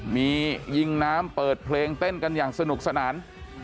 มียิงน้ำเปิดเพลงเต้นกันอย่างสนุกสนาน